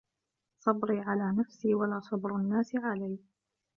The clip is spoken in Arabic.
صبري على نفسي ولا صبر الناس عليّ